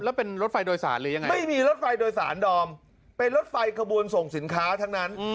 แล้วเป็นรถไฟโดยสารหรือยังไงไม่มีรถไฟโดยสารดอมเป็นรถไฟขบวนส่งสินค้าทั้งนั้น